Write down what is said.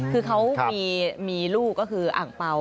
คือเขามีลูกก็คืออ่างเปล่า